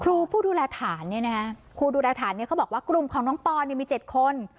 ครูผู้ดูแลฐานเนี่ยนะครูดูแลฐานเนี่ยเขาบอกว่ากลุ่มของน้องปอนเนี่ยมี๗คน